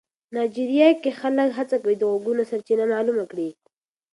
نایجیریا کې خلک هڅه کوي د غږونو سرچینه معلومه کړي.